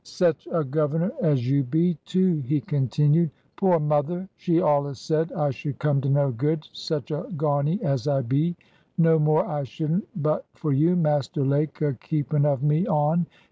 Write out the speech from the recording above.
"Sech a governor as you be, too!" he continued. "Poor mother! she allus said I should come to no good, such a gawney as I be! No more I shouldn't but for you, Master Lake, a keeping of me on.